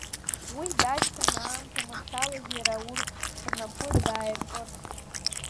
Уи дашьҭан аамҭа маншәалаз Иара урҭ рнапы даиркырц.